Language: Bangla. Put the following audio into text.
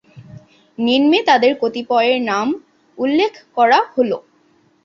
নিম্নে তাঁদের মধ্যে কতিপয় এর নাম উল্লেখ করা হলো।